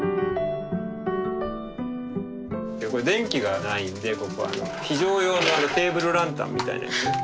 電気がないんでここあの非常用のテーブルランタンみたいなやつ。